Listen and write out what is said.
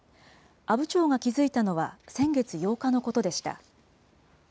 阿武町が気付いたのは、先月８日のことでした。